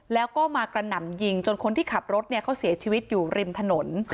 แล้วก็มากระหน่ำยิงจนคนที่ขับรถเขาเสียชีวิตอยู่ริมถนน